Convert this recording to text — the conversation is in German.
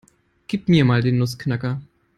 Gib mir mal den Nussknacker.